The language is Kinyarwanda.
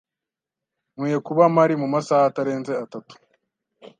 Nkwiye kuba mpari mumasaha atarenze atatu.